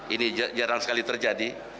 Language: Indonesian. ini jarang sekali terjadi